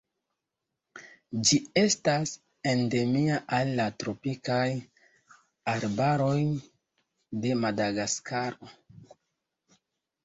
Ĝi estas endemia al la tropikaj arbaroj de Madagaskaro.